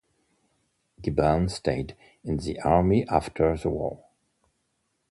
Gibbon stayed in the army after the war.